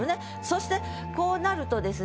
そしてこうなるとですね